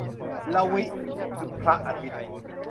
รวิ คือพระอาทิตย์